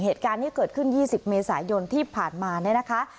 เหตุการณ์ที่เกิดขึ้น๒๐เมษายนที่ผ่านมาเนี่ยนะคะ